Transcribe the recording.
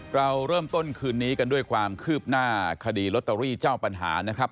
เราเริ่มต้นคืนนี้กันด้วยความคืบหน้าคดีลอตเตอรี่เจ้าปัญหานะครับ